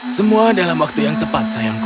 semua dalam waktu yang tepat sayangku